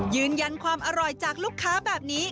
ยืนยันความอร่อยจากลูกค้าแบบนี้